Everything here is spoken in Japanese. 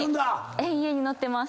永遠に乗ってます。